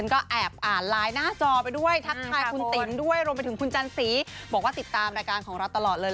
ขอบคุณค่ะ